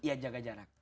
ya jaga jarak